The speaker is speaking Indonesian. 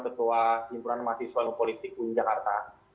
ketua himpunan mahasiswa dan politik uin jakarta